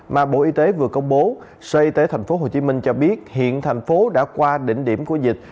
mà bộ y tế vừa công bố sở y tế tp hcm cho biết hiện thành phố đã qua đỉnh điểm của dịch